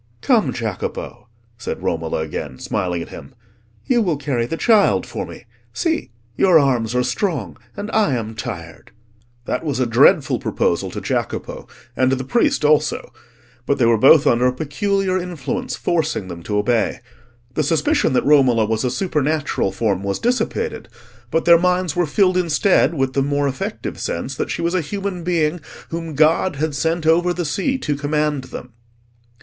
"Come, Jacopo," said Romola again, smiling at him, "you will carry the child for me. See! your arms are strong, and I am tired." That was a dreadful proposal to Jacopo, and to the priest also; but they were both under a peculiar influence forcing them to obey. The suspicion that Romola was a supernatural form was dissipated, but their minds were filled instead with the more effective sense that she was a human being whom God had sent over the sea to command them.